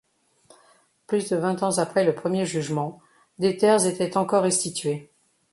Plus de vingt ans après le premier jugement des terres étaient encore restituées.